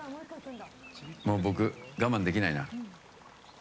僕、我慢できないな。